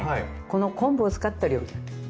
この昆布を使った料理なんです。